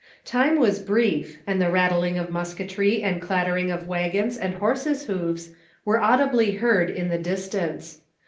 Time was brief, and the rattling of musketry and clatter ing of wagons and horses' hoofs were audibly heard in the distance.